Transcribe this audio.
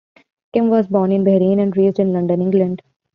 Kim was born in Bahrain and raised in London, England.